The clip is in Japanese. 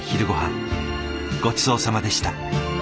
ごちそうさまでした。